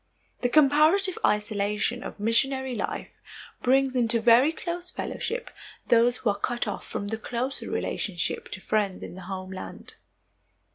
The comparative isolation of missionary life brings into very close fellowship those who are cut off from the closer relationship to friends in the homeland.